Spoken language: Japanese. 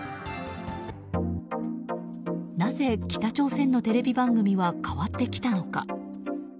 なぜ北朝鮮のテレビ番組は変わってきたのか。